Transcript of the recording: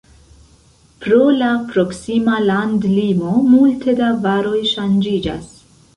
Pro la proksima landlimo multe da varoj ŝanĝiĝas.